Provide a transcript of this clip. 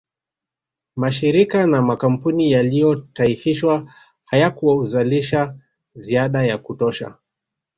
Mashirika na makampuni yaliyotaifishwa hayakuzalisha ziada ya kutosha